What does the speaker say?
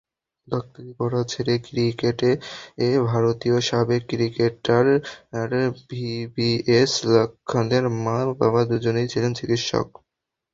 ডাক্তারি পড়া ছেড়ে ক্রিকেটেভারতীয় সাবেক ক্রিকেটার ভিভিএস লক্ষ্মণের মা-বাবা দুজনেই ছিলেন চিকিৎসক।